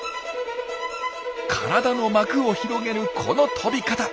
体の膜を広げるこの飛び方。